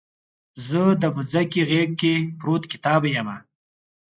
زه دمځکې غیږ کې پروت کتاب یمه